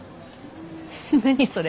何それ。